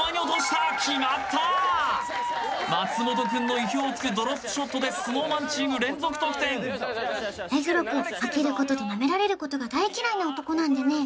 松本くんの意表をつくドロップショットでＳｎｏｗＭａｎチーム連続得点目黒くん負けることとナメられることが大嫌いな男なんでね